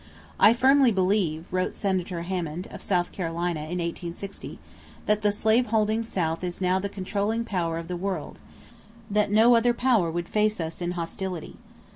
"I firmly believe," wrote Senator Hammond, of South Carolina, in 1860, "that the slave holding South is now the controlling power of the world; that no other power would face us in hostility.